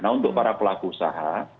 nah untuk para pelaku usaha